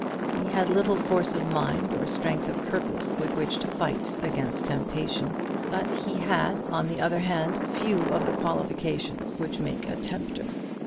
He had little force of mind or strength of purpose with which to fight against temptation: but he had, on the other hand, few of the qualifications which make a tempter.